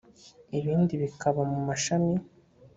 ibindi bikaba mu mashami